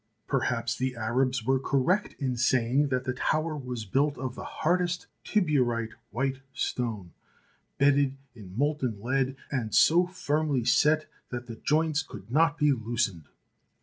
Perhaps the Arabs were correct in saying that the tower was built of the hardest Tiburite white stone, bedded in molten lead, and so firmly set that the joints could not be loosened.